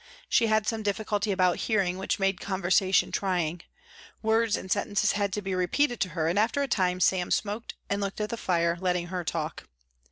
She had some difficulty about hearing which made conversation trying. Words and sentences had to be repeated to her and after a time Sam smoked and looked at the fire, letting her talk.